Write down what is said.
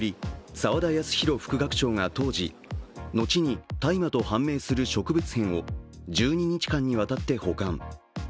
澤田康広副学長が当時後に大麻と判明する植物片を１２日間にわたって保管。